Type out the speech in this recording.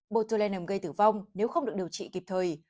botlan gây tử vong nếu không được điều trị kịp thời